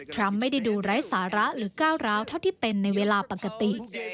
ทรัมป์ไม่ได้ดูไร้สาระหรือก้าวร้าวเท่าที่เป็นในเวลาปกติ